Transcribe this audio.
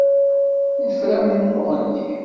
Nefra amennuɣ-nni.